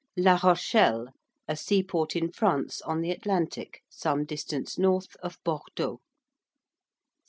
~La Rochelle~: a seaport in France on the Atlantic, some distance north of Bordeaux.